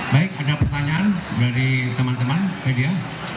baik ada pertanyaan dari teman teman media